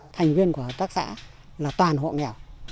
thành viên của hợp tác xã là toàn hộ nghèo